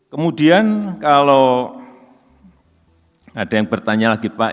kemudian kalau ada yang bertanya lagi pak